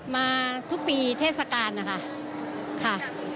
มาทุกปีเทศกาลค่ะ